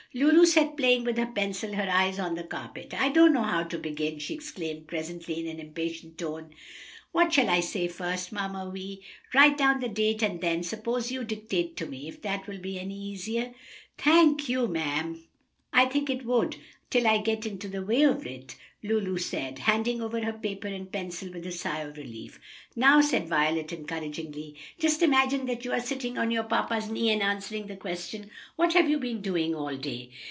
Lulu sat playing with her pencil, her eyes on the carpet. "I don't know how to begin!" she exclaimed presently in an impatient tone. "What shall I say first, Mamma Vi?" "Write down the date and then Suppose you dictate to me, if that will be any easier." "Thank you, ma'am, I think it would till I get into the way of it," Lulu said, handing over her paper and pencil with a sigh of relief. "Now," said Violet, encouragingly, "just imagine that you are sitting on your papa's knee and answering the question, 'What have you been doing all day?'"